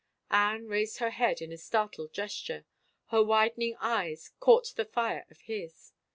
Anne raised her head in a startled gesture : her widen ing eyes caught the fire of his.